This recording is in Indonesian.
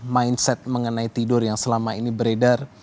mindset mengenai tidur yang selama ini beredar